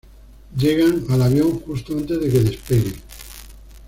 Llegan al avión justo antes de que despegue.